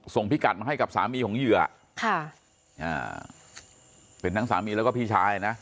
พิกัดมาให้กับสามีของเหยื่อค่ะอ่าเป็นทั้งสามีแล้วก็พี่ชายนะ